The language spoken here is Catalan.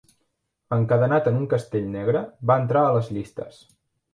Encadenat en un castell negre, va entrar a les llistes.